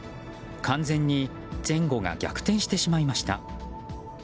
完全に前後が逆転してしまいました。